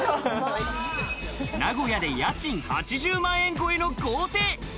名古屋で家賃８０万円超えの豪邸。